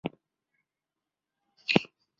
贝蒂欧岛是椰子核和珍珠的主要出口港。